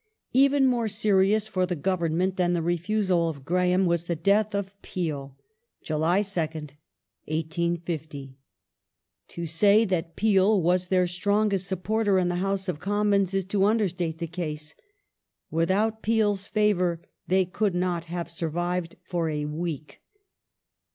Even more serious for the Government than the refusal of Graham was the death of Peel (July 2nd, 1850). To say that Peel was their strongest supporter in the House of Commons is to under state the case ; without Peel's favour they could not have survived for a week.